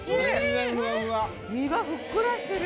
身がふっくらしてる。